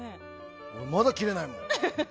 まだ切れないもん。